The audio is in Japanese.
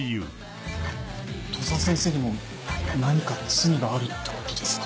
土佐先生にも何か罪があるってことですかね？